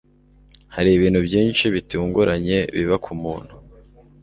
hari ibintu byinshi bitunguranye biba ku muntu